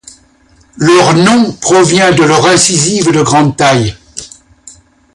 Leur nom provient de leur incisive de grande taille.